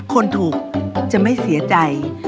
คนถูกจะไม่เสียใจ